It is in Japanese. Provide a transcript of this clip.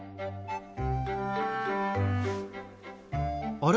あれ？